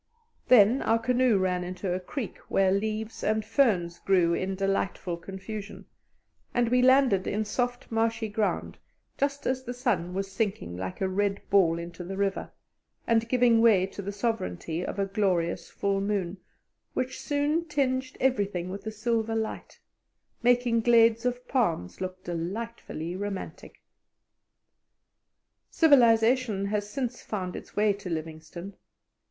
Then our canoe ran into a creek where leaves and ferns grew in delightful confusion, and we landed in soft marshy ground just as the sun was sinking like a red ball into the river, and giving way to the sovereignty of a glorious full moon, which soon tinged everything with a silver light, making glades of palms look delightfully romantic. Civilization has since found its way to Livingstone.